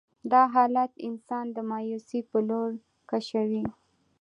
دا حالات انسان د مايوسي په لور کشوي.